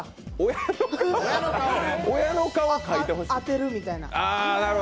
親の顔、当てるみたいな。